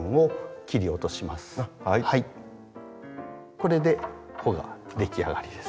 これで穂ができ上がりです。